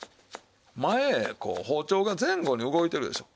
前へこう包丁が前後に動いてるでしょう。